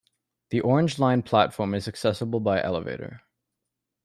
The Orange Line platform is accessible by elevator.